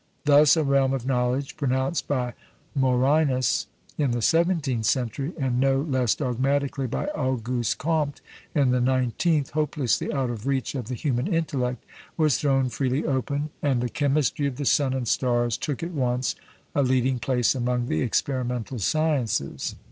Thus, a realm of knowledge, pronounced by Morinus in the seventeenth century, and no less dogmatically by Auguste Comte in the nineteenth, hopelessly out of reach of the human intellect, was thrown freely open, and the chemistry of the sun and stars took at once a leading place among the experimental sciences.